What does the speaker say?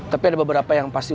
tapi ada beberapa yang pasti